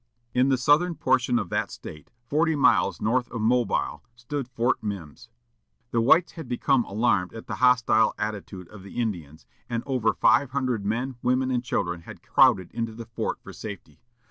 In the southern portion of that State, forty miles north of Mobile, stood Fort Mims. The whites had become alarmed at the hostile attitude of the Indians, and over five hundred men, women, and children had crowded into the fort for safety.